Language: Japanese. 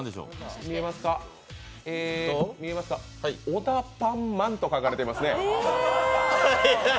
オダパンマン！！と書かれていますね。